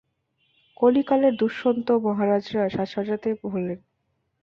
কলিকালের দুষ্যন্ত মহারাজরা সাজ-সজ্জাতেই ভোলেন।